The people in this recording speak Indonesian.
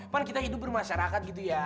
kan kita hidup bermasyarakat gitu ya